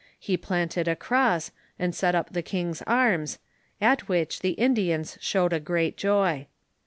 He planted a cross, and set up the king's arms, at which the Indians showed a great joy.